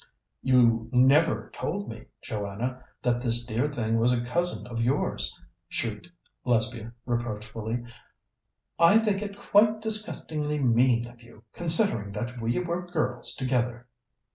"You never told me, Joanna, that this dear thing was a cousin of yours," shrieked Lesbia reproachfully. "I think it quite disgustingly mean of you, considering that we were girls together."